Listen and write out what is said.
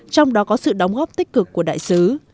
trong đó có sự đóng góp tích cực của đại sứ